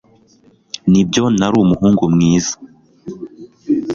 Nibyo nari umuhungu mwiza